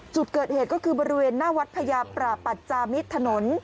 จุดเกิดเหตุก็คือบริเวณหน้าวัดพญาปราปัจจามิตรถนน